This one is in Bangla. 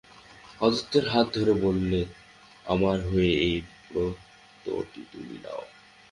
আদিত্যের হাত ধরে বললে, আমার হয়ে এই ব্রতটি তুমি নাও।